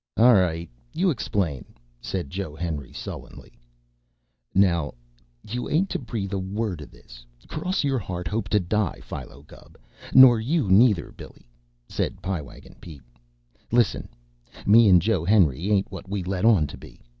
"All right, you explain," said Joe Henry sullenly. "Now you ain't to breathe a word of this, cross your heart, hope to die, Philo Gubb. Nor you neither, Billy," said Pie Wagon Pete. "Listen! Me an' Joe Henry ain't what we let on to be.